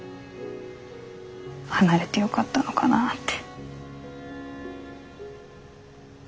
離れてよかったのかなって。